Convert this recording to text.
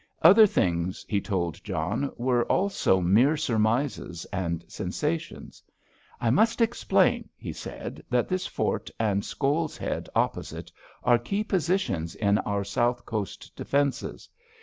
Other things he told John were also mere surmises and sensations. "I must explain," he said, "that this fort, and Scoles Head opposite, are key positions in our South Coast defences.